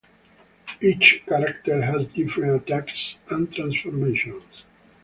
Each character has different attacks and transformations.